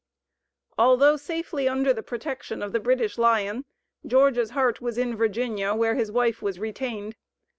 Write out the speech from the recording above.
Although safely under the protection of the British Lion, George's heart was in Virginia, where his wife was retained.